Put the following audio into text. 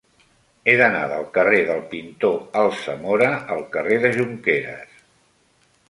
He d'anar del carrer del Pintor Alsamora al carrer de Jonqueres.